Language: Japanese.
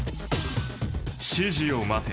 指示を待て。